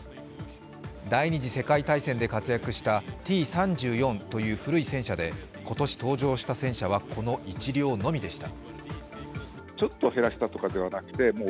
第二次世界大戦で活躍したＴ−３４という古い戦車で、今年登場した戦車はこの１両のみでした。